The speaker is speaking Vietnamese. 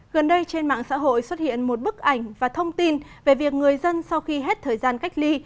gần đây trên mạng xã hội xuất hiện một bức ảnh và thông tin về việc người dân sau khi hết thời gian cách ly